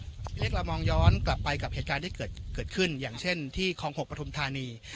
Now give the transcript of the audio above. เรียกละมองย้อนกลับไปกับเหตุการณ์ที่เกิดเกิดขึ้นอย่างเช่นที่คลองหกประธุมธานี